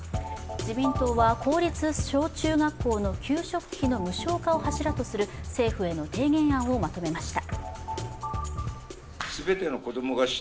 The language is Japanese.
自民党は公立小中学校の給食費の無償化を柱とする政府への提言案をまとめました。